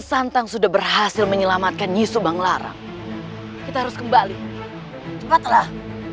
santan sudah berhasil menyelamatkan yesud bang larang kita harus kembali cepatlah